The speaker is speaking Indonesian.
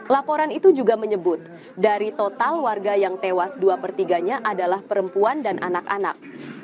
laporan itu juga menyebut dari total warga yang tewas dua per tiganya adalah perempuan dan anak anak